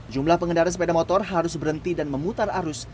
jumlah pengendara sepeda motor harus berhenti dan memutar arus